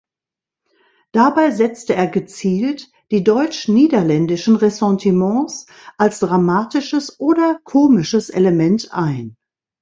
Dabei setzte er gezielt die deutsch-niederländischen Ressentiments als dramatisches oder komisches Element ein.